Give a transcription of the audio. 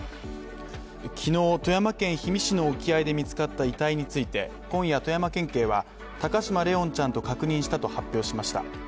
昨日、富山県氷見市の沖合で見つかった遺体について、今夜、富山県警は高嶋怜音ちゃんと確認したと発表しました。